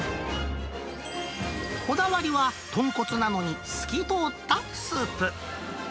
こだわりは豚骨なのに、透き通ったスープ。